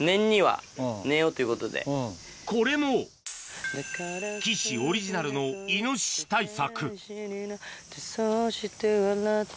これも、岸オリジナルのイノシシ対策。